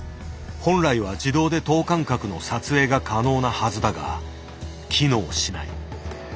本来は自動で等間隔の撮影が可能なはずだが機能しない。